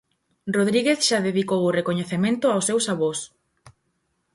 Rodríguez xa dedicou o recoñecemento aos seus avós.